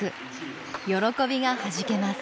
喜びがはじけます。